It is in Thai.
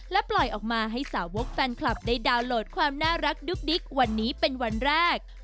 ปล่อยออกมาให้สาวกแฟนคลับได้ดาวนโหลดความน่ารักดุ๊กดิ๊กวันนี้เป็นวันแรก